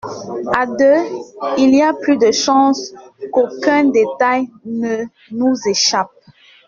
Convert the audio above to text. À deux, il y a plus de chances qu’aucun détail ne nous échappe.